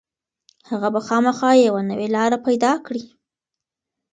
هغه به خامخا یوه نوې لاره پيدا کړي.